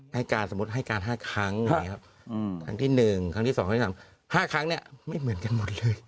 ให้การสมมุติให้การ๕ครั้งครั้งที่๑ครั้งที่๒ครั้งที่๓๕ครั้งเนี่ยไม่เหมือนกันหมดเลย